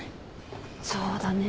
そうだね。